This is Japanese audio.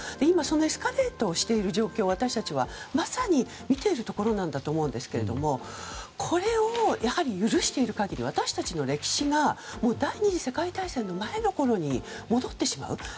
今、エスカレートしている状況を私たちはまさに見ているところだと思うんですがこれを許している限り私たちの歴史が第２次世界大戦の前のころに戻ってしまう。